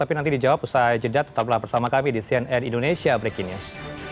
tapi nanti dijawab usai jeda tetaplah bersama kami di cnn indonesia breaking news